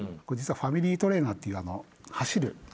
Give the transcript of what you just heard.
これ実はファミリートレーナーっていう走る。